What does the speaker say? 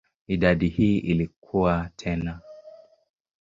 Idadi hii ilikua tena.